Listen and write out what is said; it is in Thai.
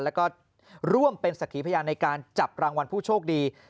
แล้วก็ร่วมเป็นสักขีพยานในการจับรางวัลผู้โชคดี